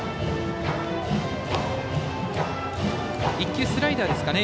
１球、スライダーですかね